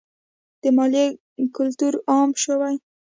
د مالیې کلتور عام شوی؟